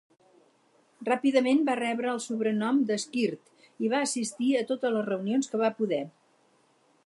Ràpidament va rebre el sobrenom de "Squirt" i va assistir a totes les reunions que va poder.